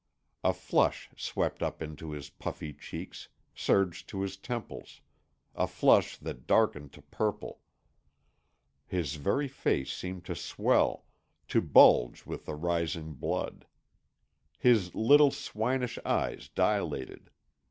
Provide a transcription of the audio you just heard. A flush swept up into his puffy cheeks, surged to his temples, a flush that darkened to purple. His very face seemed to swell, to bulge with the rising blood. His little, swinish eyes dilated.